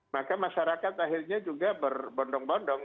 maka masyarakat akhirnya juga berbondong bondong